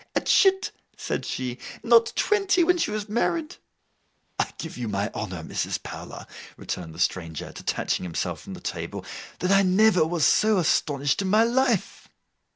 'A chit,' said she. 'Not twenty when she was married.' 'I give you my honour, Mrs. Powler,' returned the stranger, detaching himself from the table, 'that I never was so astonished in my life!